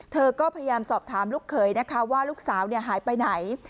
เธอก็พยายามสอบถามลูกเขยนะคะว่าลูกสาวหายไปไหน